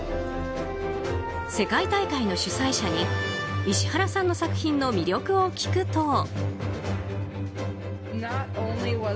世界大会の主催者に石原さんの作品の魅力を聞くと。